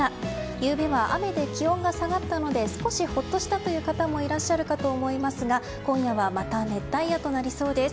ゆうべは雨で気温が下がったので少しほっとしたという方もいらっしゃるかと思いますが今夜はまた熱帯夜となりそうです。